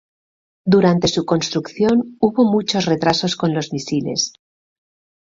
Durante su construcción hubo muchos retrasos con los misiles.